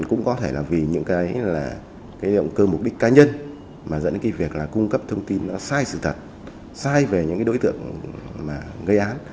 cá nhân mà dẫn đến việc cung cấp thông tin sai sự thật sai về những đối tượng gây án